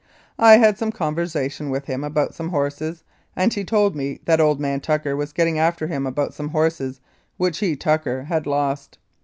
I had some conversation with him about some horses, and he told me that old man Tucker was getting after him about some horses, which he, Tucker, had lost.